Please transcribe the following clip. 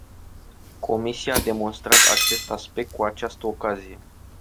Comisia a demonstrat acest aspect cu această ocazie.